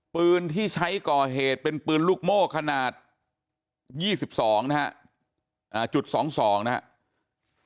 ปืนที่ใช้ก่อเหตุเป็นปืนลูกโม่ขนาด๒๒นะฮะจุด๒๒นะครับ